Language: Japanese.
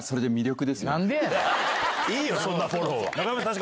いいよそんなフォローは。